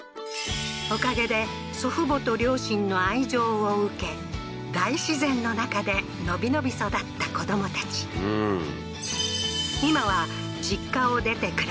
おかげで祖父母と両親の愛情を受け大自然の中でのびのび育った子どもたちうん